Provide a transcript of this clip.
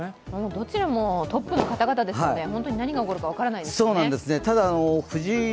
どちらもトップの方々ですので本当に何が起こるか分からないですね。